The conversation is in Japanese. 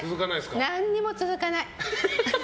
何にも続かない。